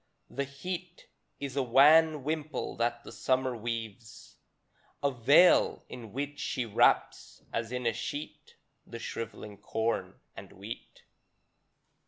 The heat Is a wan wimple that the Summer weaves, A veil, in which she wraps, as in a sheet, The shriveling corn and wheat.